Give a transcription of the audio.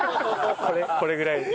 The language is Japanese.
これぐらいで。